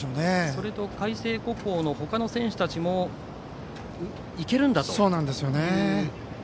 それと海星高校の他の選手たちもいけるんだという。